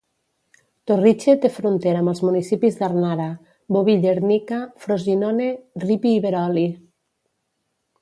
Torrice té frontera amb els municipis d'Arnara, Boville Ernica, Frosinone, Ripi i Veroli.